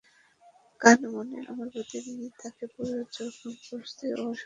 কানমণি, আমরা প্রতিদিনই তাকে পর্যবেক্ষণ করছি ও সবকিছু ভুলে গেছে।